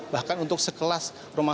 bahkan untuk sekelas